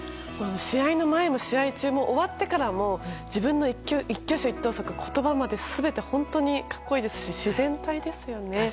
試合の前も、試合中も終わってからも自分の一挙手一投足、言葉まで全て本当に格好いいし自然体ですよね。